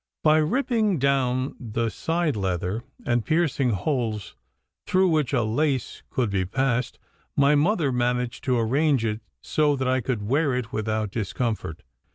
By ripping down the side leather and piercing holes through which a lace could be passed, my mother managed to arrange it so that I could wear it without discomfort.